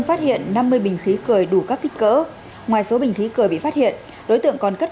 phát hiện năm mươi bình khí cười đủ các kích cỡ ngoài số bình khí cười bị phát hiện đối tượng còn cất